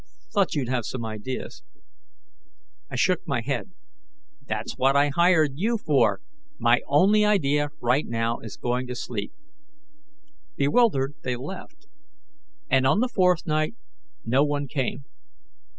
"Thought you'd have some ideas." I shook my head. "That's what I hired you for. My only idea right now is going to sleep." Bewildered, they left. And on the fourth night, no one came.